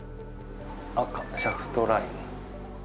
赤シャフトライン。